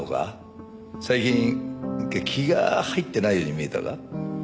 最近気が入ってないように見えたが。